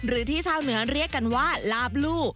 หรือที่ชาวเหนือเรียกกันว่าลาบลู่